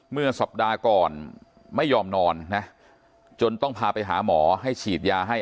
เมื่อสัปดาห์ก่อนไม่ยอมนอนนะจนต้องพาไปหาหมอให้ฉีดยาให้